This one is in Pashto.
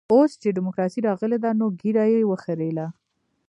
اوس چې ډيموکراسي راغلې ده نو ږيره يې وخرېیله.